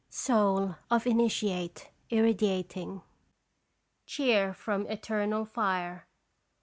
Soul of Initiate, irradiating Cheer from Eternal Fire.